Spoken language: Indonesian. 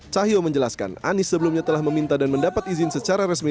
cahyo menjelaskan anies sebelumnya telah meminta dan mendapat izin secara resmi